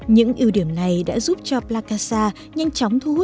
những ưu điểm này đã giúp cho plakasa nhanh chóng